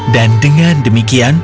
dan dengan demikian